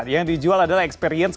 yang dijual adalah experience